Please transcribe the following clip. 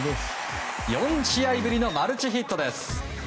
４試合ぶりのマルチヒットです。